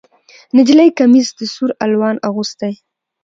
نجلۍ کمیس د سور الوان اغوستی